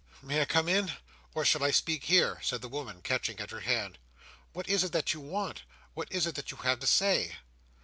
"May I come in, or shall I speak here?" said the woman, catching at her hand. "What is it that you want? What is it that you have to say?"